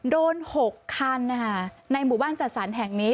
โดน๖คันในหมู่บ้านจัดสรรแห่งนี้